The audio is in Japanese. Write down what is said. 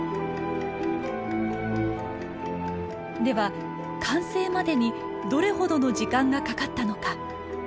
では完成までにどれほどの時間がかかったのか？